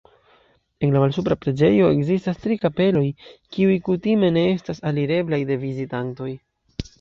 En la malsupra preĝejo ekzistas tri kapeloj, kiuj kutime ne estas alireblaj de vizitantoj.